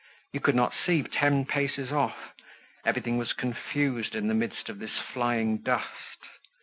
You could not see ten paces off, everything was confused in the midst of this flying dust.